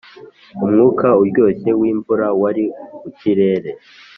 umwuka uryoshye wimvura wari mukirere.